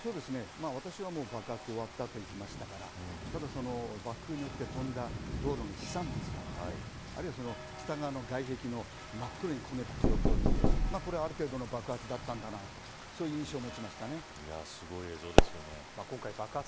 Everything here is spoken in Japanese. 私は爆発が終わった後に行きましたからただ爆風によって飛んだ道路の飛散物とかあるいは、北側の外壁の真っ黒に焦げた状況を見てある程度の爆発だったんだという印象を持ちました。